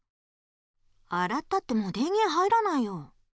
あらったってもう電げん入らないよ。